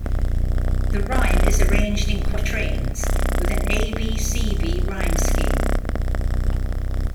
The rhyme is arranged in quatrains, with an A-B-C-B rhyme scheme.